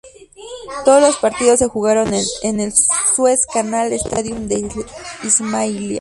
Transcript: Todos los partidos se jugaron en el Suez Canal Stadium de Ismailia.